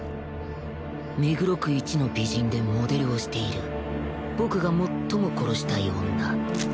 目黒区イチの美人でモデルをしている僕が最も殺したい女